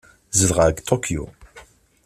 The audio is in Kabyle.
Zedɣeɣ deg Tokyo.